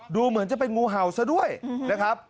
ดูเหมือนจะเป็นงูเห่าซะด้วยนะครับ